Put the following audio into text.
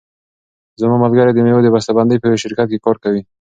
زما ملګری د مېوو د بسته بندۍ په یوه شرکت کې کار کوي.